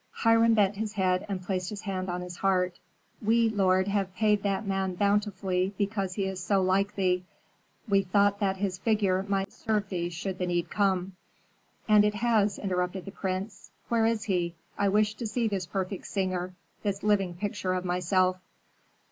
Hiram bent his head and placed his hand on his heart. "We, lord, have paid that man bountifully because he is so like thee. We thought that his figure might serve thee should the need come." "And it has," interrupted the prince. "Where is he? I wish to see this perfect singer, this living picture of myself."